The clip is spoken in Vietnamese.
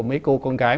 mấy cô con gái